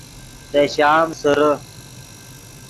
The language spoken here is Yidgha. دے شام سیرے